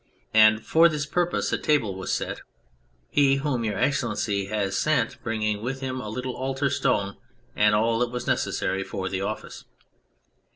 And for this purpose a table was set, he whom Your Excellency has sent bringing with him a little altar stone and all that was necessary for the Office.